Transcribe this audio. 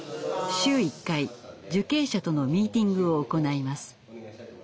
週１回受刑者とのミーティングを行います。